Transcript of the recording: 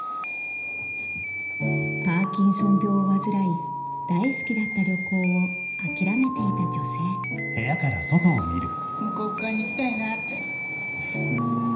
パーキンソン病を患い大好きだった旅行を諦めていた女性向こう側に行きたいなって。